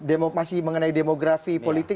ini masih mengenai demografi politik